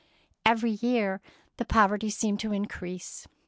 Every year the poverty seemed to increase.